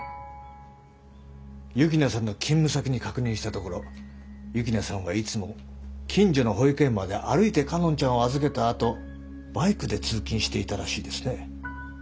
幸那さんの勤務先に確認したところ幸那さんはいつも近所の保育園まで歩いて佳音ちゃんを預けたあとバイクで通勤していたらしいですね。